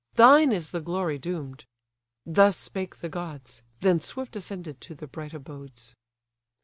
Thine is the glory doom'd." Thus spake the gods: Then swift ascended to the bright abodes.